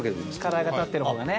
カラーが立ってる方がね。